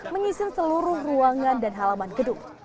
menyisir seluruh ruangan dan halaman gedung